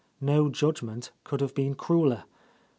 No judgment could have been crueller.